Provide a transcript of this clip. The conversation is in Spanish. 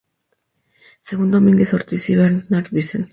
Según Domínguez Ortiz y Bernard Vincent,